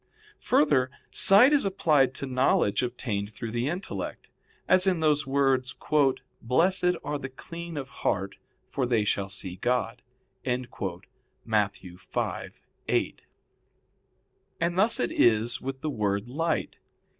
Further, sight is applied to knowledge obtained through the intellect, as in those words: "Blessed are the clean of heart, for they shall see God" (Matt. 5:8). And thus it is with the word light.